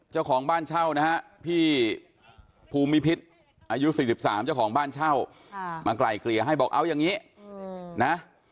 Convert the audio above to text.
เจ้าของบ้านเช่านะฮะพี่ภูมิพิษอายุ๔๓เจ้าของบ้านเช่ามาไกลเกลี่ยให้บอกเอาอย่างนี้นะ